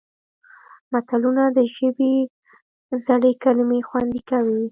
متلونه د ژبې زړې کلمې خوندي کوي